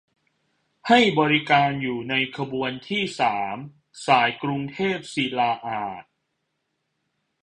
ให้บริการอยู่ในขบวนที่ สาม สายกรุงเทพศิลาอาสน์